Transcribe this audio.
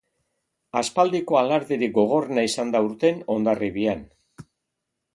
Aspaldiko alarderik gogorrena izan da aurten Hondarribian.